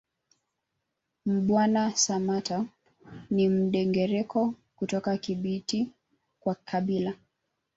Mbwana Samatta ni Mndengereko kutoka Kibiti kwa kabila